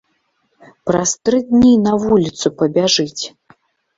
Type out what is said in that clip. Праз тры дні на вуліцу пабяжыць.